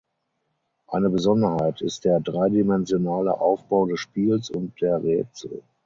Eine Besonderheit ist der dreidimensionale Aufbau des Spiels und der Rätsel.